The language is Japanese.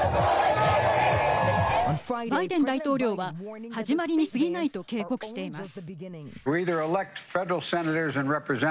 バイデン大統領は始まりにすぎないと警告しています。